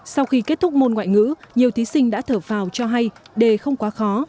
sau khi kết thúc môn ngoại ngữ nhiều thí sinh đã thở vào cho hay đề không quá khó